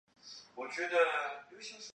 卖掉从父亲那里继承的三分地